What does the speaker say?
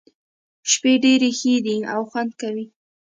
شپې ډېرې ښې دي او خوند کوي.